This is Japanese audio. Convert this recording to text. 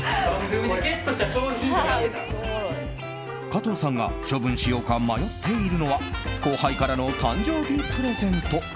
加藤さんが処分しようか迷っているのは後輩からの誕生日プレゼント。